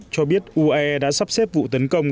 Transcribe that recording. cho biết uae đã sắp xếp vụ tấn công